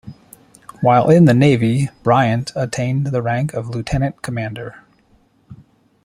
While in the navy, Bryant attained the rank of lieutenant commander.